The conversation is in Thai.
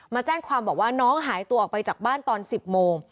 มาแจ้งความบอกว่าน้องหายตัวออกไปจากบ้านตอน๑๐โมง